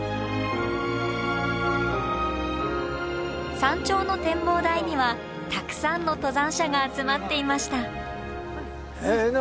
山頂の展望台にはたくさんの登山者が集まっていました。